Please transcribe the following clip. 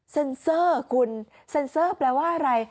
เซ็นเซอร์คุณเซ็นเซอร์แปลว่าอะไร